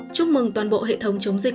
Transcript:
chúc mừng toàn bộ hệ thống chống dịch